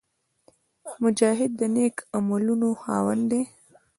مجاهد د نېک عملونو خاوند وي.